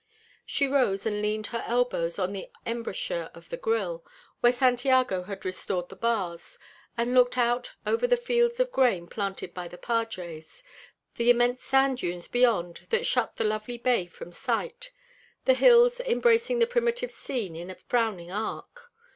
She rose and leaned her elbows in the embrasure of the grille, where Santiago had restored the bars, and looked out over the fields of grain planted by the padres, the immense sand dunes beyond that shut the lovely bay from sight; the hills embracing the primitive scene in a frowning arc.